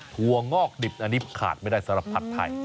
ถั่วงอกดิบอันนี้ขาดไม่ได้สำหรับผัดไทย